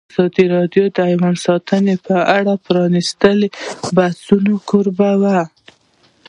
ازادي راډیو د حیوان ساتنه په اړه د پرانیستو بحثونو کوربه وه.